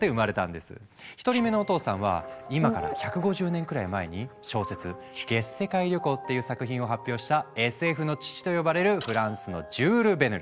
１人目のお父さんは今から１５０年くらい前に小説「月世界旅行」っていう作品を発表した「ＳＦの父」と呼ばれるフランスのジュール・ヴェルヌ。